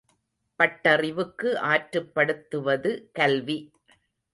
பட்டறிவுக்கு ஆற்றுப்படுத்துவது கல்வி.